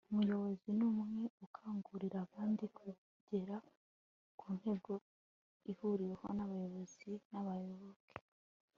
umuyobozi ni umwe ukangurira abandi kugera ku ntego ihuriweho n'abayobozi n'abayoboke